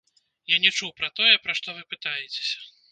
Я не чуў пра тое, пра што вы пытаецеся.